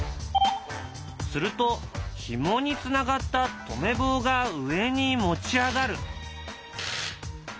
するとひもにつながった止め棒が上に持ち上がる。